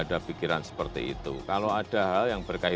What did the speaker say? masi indonesia meng actuasi adalah hal yang tersatu